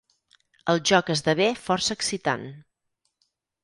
El joc esdevé força excitant.